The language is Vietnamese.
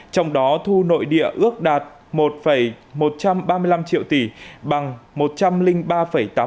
trong đó thu nội địa ước đạt một tám triệu tỷ đồng bằng một trăm linh năm một so với dự toán và bằng một trăm linh bảy năm so với cùng kỳ năm hai nghìn hai mươi